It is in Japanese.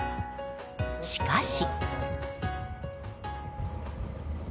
しかし。